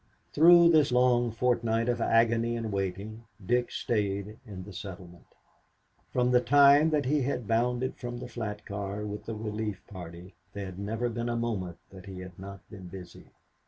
Through this long fortnight of agony and waiting, Dick stayed in the settlement. From the time that he had bounded from the flat car with the relief party there had never been a moment that he had not been busy.